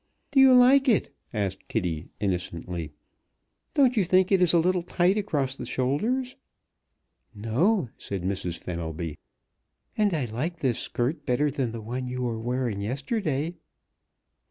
"Do you like it?" asked Kitty, innocently. "Don't you think it is a little tight across the shoulders?" "No," said Mrs. Fenelby. "And I like this skirt better than the one you were wearing yesterday."